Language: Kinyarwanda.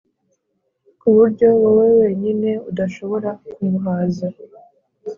ku buryo wowe wenyine udashobora kumuhaza;